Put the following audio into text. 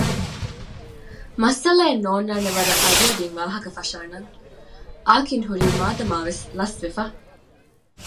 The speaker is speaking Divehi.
މައްސަލައެއް ނޯންނާނެވަރަށް އަޑިއަޑިން ވާހަކަ ފަށާނަން އާކިން ހުރީ މާދަމާވެސް ލަސްވެފަ